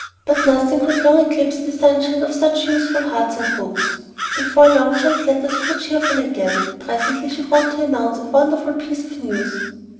But nothing could long eclipse the sunshine of such youthful hearts and hopes. Before long John's letters grew cheerful again, and presently she wrote to announce a wonderful piece of news.